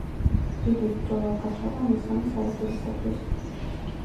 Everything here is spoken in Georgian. დიდი ბრძოლა გაჩაღდა მესამე საგზურისათვის.